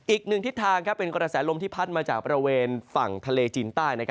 อีกหนึ่งทิศทางเป็นกระแสลมที่พัดมาจากบริเวณฝั่งทะเลจีนใต้